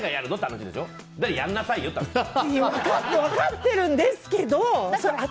分かった分かってるんですけど。